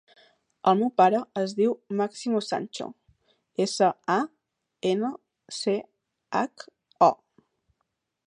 El meu pare es diu Máximo Sancho: essa, a, ena, ce, hac, o.